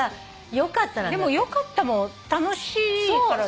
でも「よかった」も楽しいからでしょ？